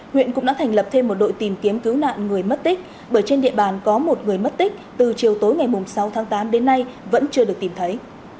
huyện cũng đã thành lập thêm một đội tìm kiếm cứu nạn người mất tích bởi trên địa bàn có một người mất tích từ chiều tối ngày sáu tháng tám đến nay vẫn chưa được tìm thấy